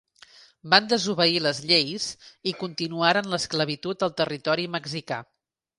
Van desobeir les lleis i continuaren l'esclavitud al territori mexicà.